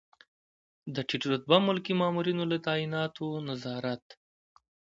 د ټیټ رتبه ملکي مامورینو له تعیناتو نظارت.